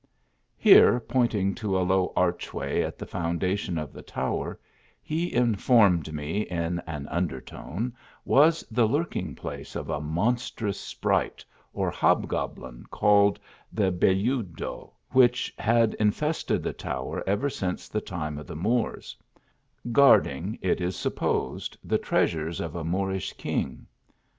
Here, pointing to a low archway at the foundation of the tower, he informed me, in an under tone, was the lurking place of a monstrous sprite or hobgoblin called the Belludo, which had infested the tower ever since the time of the Moors ; guarding, it is supposed, the treasures of a Moorish king.